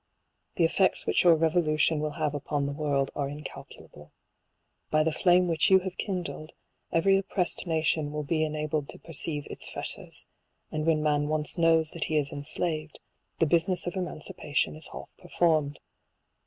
The effects which your revolution will have upon the world are in calculable. By the flame which you have kindled, every oppressed nation will be enabled to perceive its fetters ; and when man once knows that he is enslaved, the bu siness of emancipation is half performed.